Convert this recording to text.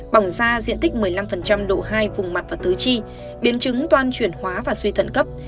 bỏng da diện tích một mươi năm độ hai vùng mặt và tứ chi biến chứng toan chuyển hóa và suy thận cấp